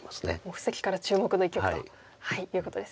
布石から注目の一局ということですね。